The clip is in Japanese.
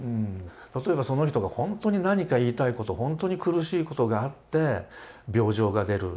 例えばその人がほんとに何か言いたいことほんとに苦しいことがあって病状が出る。